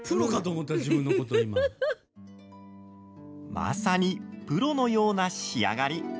まさに、プロのような仕上がり。